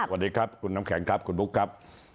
สวัสดีครับคุณน้ำแข็งครับคุณบุ๊คครับ